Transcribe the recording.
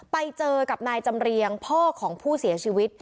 ไปเจอกับนายจำเรียงพ่อของผู้เสียชีวิต